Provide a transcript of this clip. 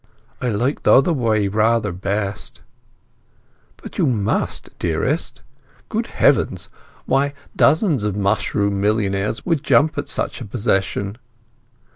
"I like the other way rather best." "But you must, dearest! Good heavens, why dozens of mushroom millionaires would jump at such a possession!